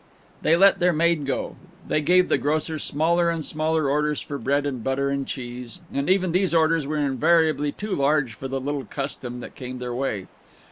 They let their maid go. They gave the grocer smaller and smaller orders for bread and butter and cheese and even these orders were invariably too large for the little custom that came their way.